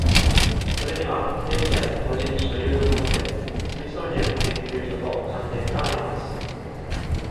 それには現在個人所有のもので、スミソニアン研究所と関連があります。